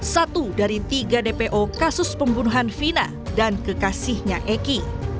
satu dari tiga dpo kasus pembunuhan vina dan kekasihnya eki